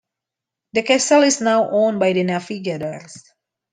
The castle is now owned by The Navigators.